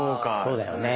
そうだよね。